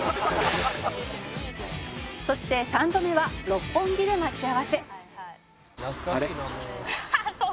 「そして３度目は六本木で待ち合わせ」「懐かしいなもう」